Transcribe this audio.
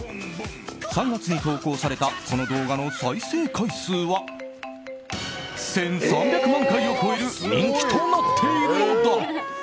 ３月に投稿されたこの動画の再生回数は１３００万回を超える人気となっているのだ。